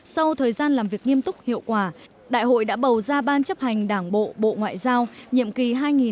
sau thời gian làm việc nghiêm túc hiệu quả đại hội đã bầu ra ban chấp hành đảng bộ bộ ngoại giao nhiệm kỳ hai nghìn hai mươi hai nghìn hai mươi năm